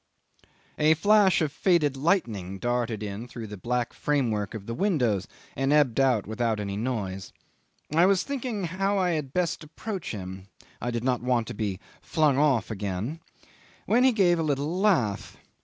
'A flash of faded lightning darted in through the black framework of the windows and ebbed out without any noise. I was thinking how I had best approach him (I did not want to be flung off again) when he gave a little laugh.